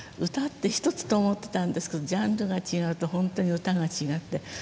唄って一つと思ってたんですけどジャンルが違うと本当に唄が違って。